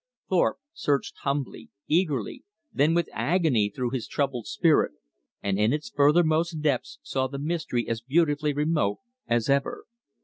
Thorpe searched humbly eagerly then with agony through his troubled spirit, and in its furthermost depths saw the mystery as beautifully remote as ever.